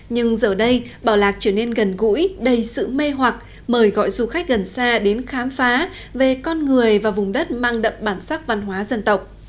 nhưng giờ đây bảo lạc trở nên gần gũi đầy sự mê hoặc mời gọi du khách gần xa đến khám phá về con người và vùng đất mang đậm bản sắc văn hóa dân tộc